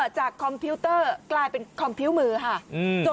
จากคอมพิวเตอร์กลายเป็นคอมพิวต์มือค่ะอืม